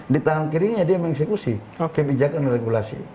di tangan kirinya dia mengeksekusi kebijakan dan regulasi